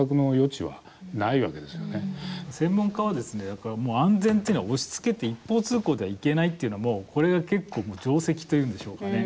専門家は安全というのは、押しつけて一方通行ではいけないというのはもう、これは結構定石というんでしょうかね